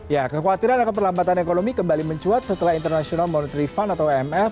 ya kekhawatiran dan keperlambatan ekonomi kembali mencuat setelah international monetary fund atau emf